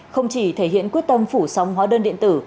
không chỉ thể hiện quyết tâm phủ sóng hóa đơn điện tử